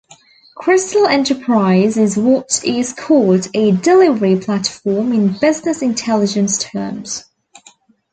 Crystal Enterprise is what is called a delivery platform in Business Intelligence terms.